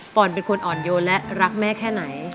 อนเป็นคนอ่อนโยนและรักแม่แค่ไหน